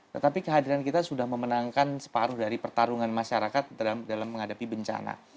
tetapi kehadiran kita sudah memenangkan separuh dari pertarungan masyarakat dalam menghadapi bencana